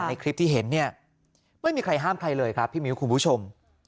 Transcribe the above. ในคลิปที่เห็นเนี่ยไม่มีใครห้ามใครเลยครับพี่มิ้วคุณผู้ชม